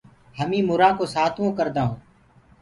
همينٚ مُرآ ڪو سآتوونٚ ڪردآ هونٚ۔